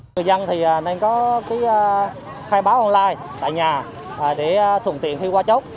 người dân thì nên có khai báo online tại nhà để thuận tiện khi qua chốt